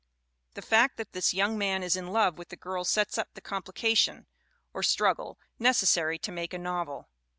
The fact that this young man is in love with the girl sets up the complication, or struggle, necessary to make a novel.